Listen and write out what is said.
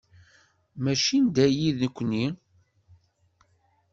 Mačči n dayi nekni.